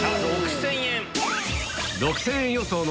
６０００円。